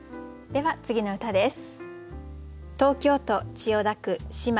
では次の歌です。